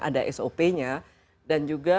ada sop nya dan juga